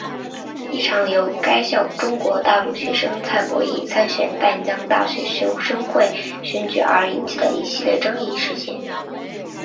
一场由该校中国大陆学生蔡博艺参选淡江大学学生会选举而引起的一系列争议事件。